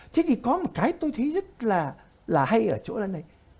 thế thì có một cái tôi thấy rất là hay ở chỗ là này